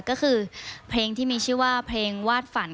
ก็คือเพลงที่มีชื่อว่าเพลงวาดฝัน